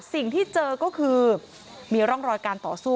สิ่งที่เจอก็คือมีร่องรอยการต่อสู้